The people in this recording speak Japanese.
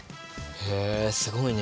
へえすごいね。